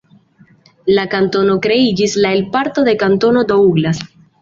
La kantono kreiĝis la el parto de Kantono Douglas.